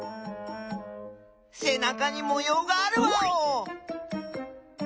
せなかにもようがあるワオ！